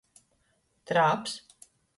Trāps.